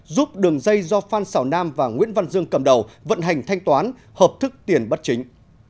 giúp đường dây do phan xảo nam và nguyễn văn dương cầm đầu vận hành thanh toán hợp thức tiền bất chính